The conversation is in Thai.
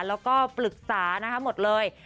แล้วก็ปรึกษานะคะหมดเลย